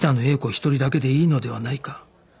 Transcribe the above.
一人だけでいいのではないか